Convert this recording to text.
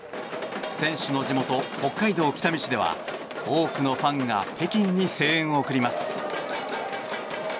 選手の地元、北海道北見市では多くのファンが北京に声援を送ります。